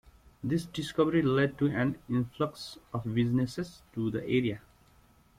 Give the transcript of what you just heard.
This discovery led to an influx of businesses to the area.